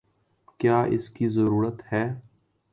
کیا اس کی ضرورت ہے؟